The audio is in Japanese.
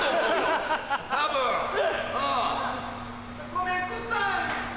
ごめんくっさい！